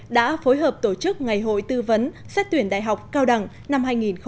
đã phối hợp tổ chức ngày hội tư vấn xét tuyển đại học cao đẳng năm hai nghìn hai mươi